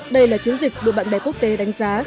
đây là chiến dịch được bạn bè quốc tế đánh giá